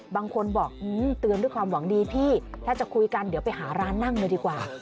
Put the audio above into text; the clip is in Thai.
บางคนบอกเตือนด้วยความหวังดีพี่ถ้าจะคุยกันเดี๋ยวไปหาร้านนั่งเลยดีกว่า